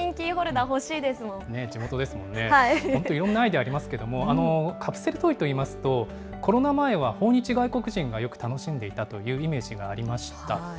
本当、いろんなアイデアありますけども、カプセルトイといいますと、コロナ前は訪日外国人がよく楽しんでいたというイメージがありました。